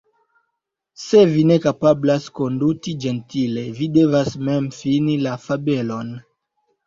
Se vi ne kapablas konduti ĝentile, vi devas mem fini la fabelon."